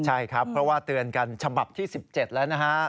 ใช่ครับเพราะว่าเตือนกันฉบับที่๑๗แล้วนะฮะ